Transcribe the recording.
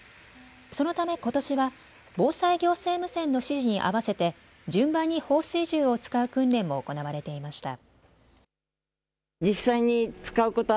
そのためことしは防災行政無線の指示に合わせて順番に放水銃を使う訓練も行われていました。